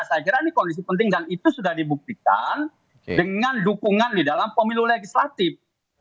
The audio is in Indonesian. saya kira ini kondisi penting dan itu sudah dibuktikan dengan dukungan di dalam pemilu legislatif